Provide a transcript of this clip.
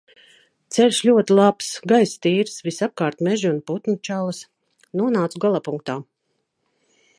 Ceļš ļoti labs, gaiss tīrs, visapkārt meži un putnu čalas. Nonācu galapunktā.